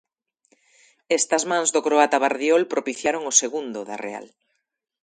Estas mans do croata Vardiol propiciaron o segundo da Real.